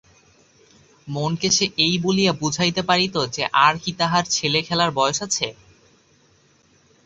মনকে সে এই বলিয়া বুঝাইতে পারিত যে আর কী তাহার ছেলেখেলার বয়স আছে?